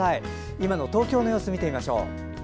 今の東京の様子見てみましょう。